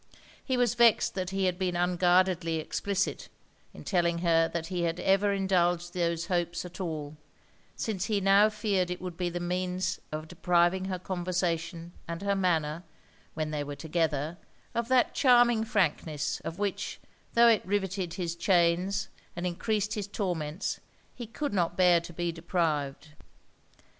He was vexed that he had been unguardedly explicit, in telling her that he had ever indulged those hopes at all; since he now feared it would be the means of depriving her conversation and her manner, when they were together, of that charming frankness, of which, tho' it rivetted his chains and encreased his torments, he could not bear to be deprived.